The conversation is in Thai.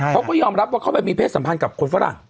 เขาก็ยอมรับว่าเขาไปมีเพศสัมพันธ์กับคนฝรั่ง